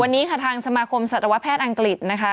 วันนี้ค่ะทางสมาคมสัตวแพทย์อังกฤษนะคะ